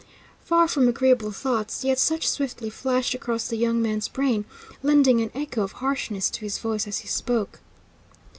Far from agreeable thoughts, yet such swiftly flashed across the young man's brain, lending an echo of harshness to his voice as he spoke.